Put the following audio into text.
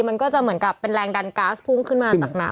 มันก็จะเหมือนกับเป็นแรงดันก๊าซพุ่งขึ้นมาจากน้ำ